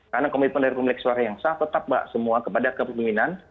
karena komitmen dari pemilik suara yang sah tetap mbak semua kepada kepemimpinan